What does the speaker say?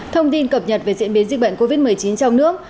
thông tin cập nhật về diễn biến dịch bệnh covid một mươi chín trong nước